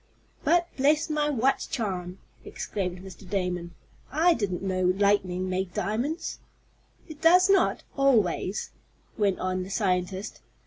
"But, bless my watch charm!" exclaimed Mr. Damon, "I didn't know lightning made diamonds." "It does not always," went on the scientist.